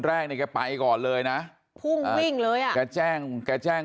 แรกเนี่ยแกไปก่อนเลยนะพุ่งวิ่งเลยอ่ะแกแจ้งแกแจ้ง